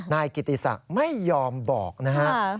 นายกิติศักดิ์ไม่ยอมบอกนะครับ